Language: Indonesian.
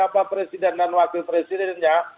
presiden dan wakil presidennya